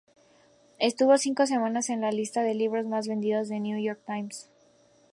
Estuvo cinco semanas en la lista de libros más vendidos del New York Times.